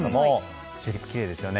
チューリップ、きれいでしたね。